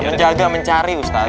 menjaga mencari ustadz